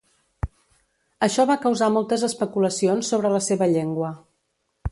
Això va causar moltes especulacions sobre la seva llengua.